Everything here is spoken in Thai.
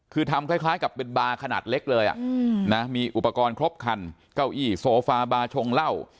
คือทำคล้ายกับเป็นบาร์ขนาดเล็กเลยนะมีอุปกรณ์ครบคันเก้าอี้โซฟาบาชงเหล้า